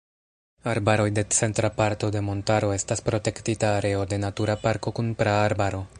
Arbaroj de centra parto de montaro estas protektita areo de Natura parko kun praarbaro.